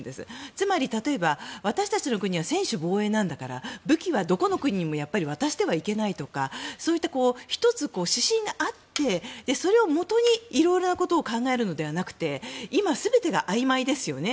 つまり例えば私たちの国は専守防衛なんだから武器はどこの国にも渡してはいけないとかそういった１つ、指針があってそれをもとに色々なことを考えるのではなくて今、全てがあいまいですよね。